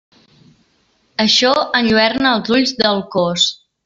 Això enlluerna els ulls del cos.